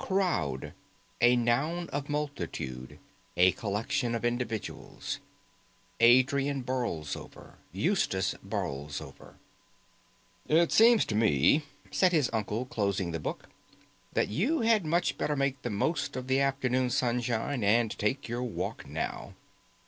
"Crowd, a noun of multitude; a collection of individuals—Adrian Borlsover, Eustace Borlsover." "It seems to me," said his uncle, closing the book, "that you had much better make the most of the afternoon sunshine and take your walk now."